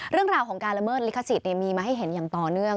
เรื่องราวของการละเมิดลิขสิทธิ์มีมาให้เห็นอย่างต่อเนื่อง